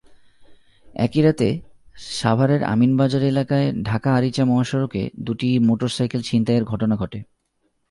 একই রাতে সাভারের আমিনবাজার এলাকায় ঢাকা-আরিচা মহাসড়কে দুটি মোটরসাইকেল ছিনতাইয়ের ঘটনা ঘটে।